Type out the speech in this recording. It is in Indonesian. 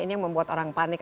ini yang membuat orang panik